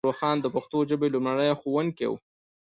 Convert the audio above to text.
پیر روښان د پښتو ژبې لومړنی ښوونکی و.